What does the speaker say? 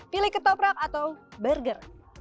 pilih ketoprak atau burger